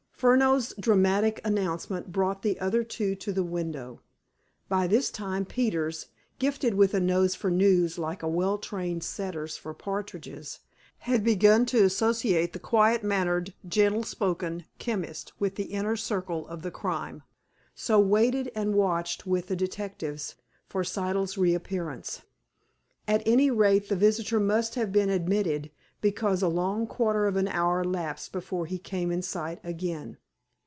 Furneaux's dramatic announcement brought the other two to the window. By this time Peters, gifted with a nose for news like a well trained setter's for partridges, had begun to associate the quiet mannered, gentle spoken chemist with the inner circle of the crime, so waited and watched with the detectives for Siddle's reappearance. At any rate the visitor must have been admitted, because a long quarter of an hour elapsed before he came in sight again.